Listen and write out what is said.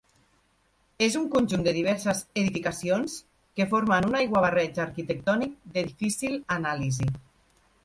És un conjunt de diverses edificacions que formen un aiguabarreig arquitectònic de difícil anàlisi.